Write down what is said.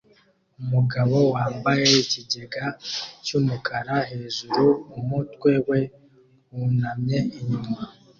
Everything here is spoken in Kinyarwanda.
Umugabo wambaye ikigega cy'umukara hejuru umutwe we wunamye inyuma